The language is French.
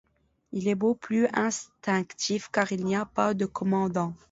Il est beaucoup plus instinctif, car il n'y a pas de commandant.